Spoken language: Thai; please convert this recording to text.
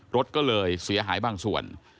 รถก็เลยเสียหายบางส่วน